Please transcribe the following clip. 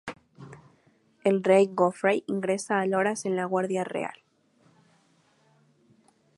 El rey Joffrey ingresa a Loras en la Guardia Real.